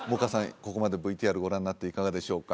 ここまでＶＴＲご覧になっていかがでしょうか？